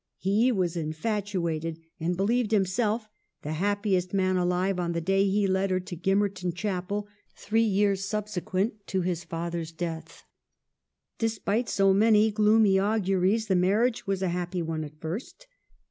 "He was infatuated, and believed himself the happiest man alive on the day he led her to Gimmerton Chapel three years subsequent to his father's death." Despite so many gloomy auguries the mar riage was a happy one at first.